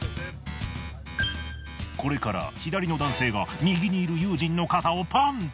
これから左の男性が右にいる友人の肩をパンチ。